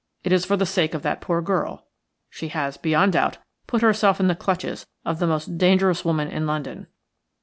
It is for the sake of that poor girl. She has, beyond doubt, put herself in the clutches of the most dangerous woman in London."